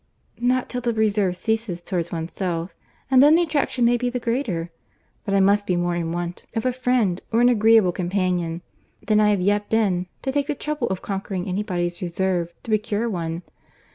"Not till the reserve ceases towards oneself; and then the attraction may be the greater. But I must be more in want of a friend, or an agreeable companion, than I have yet been, to take the trouble of conquering any body's reserve to procure one.